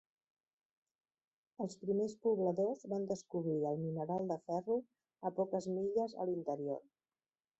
Els primers pobladors van descobrir el mineral de ferro a poques milles a l'interior.